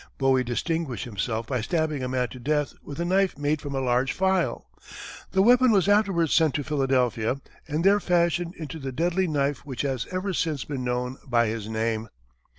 Bowie distinguished himself by stabbing a man to death with a knife made from a large file. The weapon was afterwards sent to Philadelphia and there fashioned into the deadly knife which has ever since been known by his name.